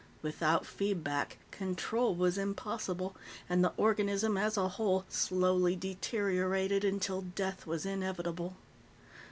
Without feedback, control was impossible, and the organism as a whole slowly deteriorated until death was inevitable.